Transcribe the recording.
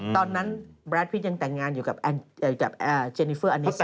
ตอนนั้นแบร์ทพลิกยังแต่งงานอยู่กับเจนิเฟอร์อันิสตาน